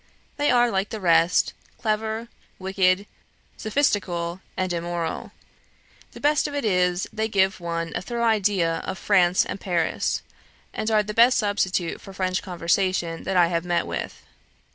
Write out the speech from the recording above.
They are like the rest, clever, wicked, sophistical, and immoral. The best of it is, they give one a thorough idea of France and Paris, and are the best substitute for French conversation that I have met with.